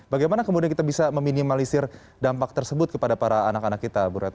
bagaimana kemudian kita bisa meminimalisir dampak tersebut kepada para anak anak kita bu retno